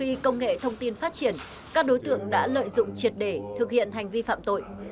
vì công nghệ thông tin phát triển các đối tượng đã lợi dụng triệt để thực hiện hành vi phạm tội